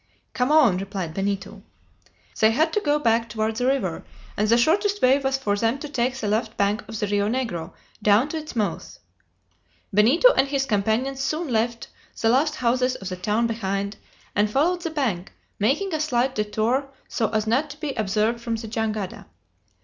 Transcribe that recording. "Come on!" replied Benito. They had to go back toward the river, and the shortest way was for them to take the left bank of the Rio Negro, down to its mouth. Benito and his companions soon left the last houses of the town behind, and followed the bank, making a slight detour so as not to be observed from the jangada.